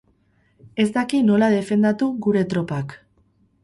Ez daki nola defendatu gure tropak.